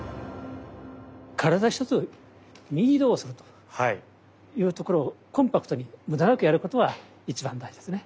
体一つ右移動するというところをコンパクトに無駄なくやることが一番大事ですね。